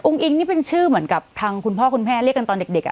อิงนี่เป็นชื่อเหมือนกับทางคุณพ่อคุณแม่เรียกกันตอนเด็ก